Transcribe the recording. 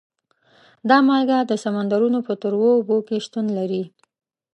دا مالګه د سمندرونو په تروو اوبو کې شتون لري.